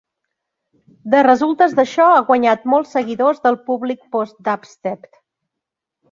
De resultes d'això, ha guanyat molts seguidors del públic "post-dubstep".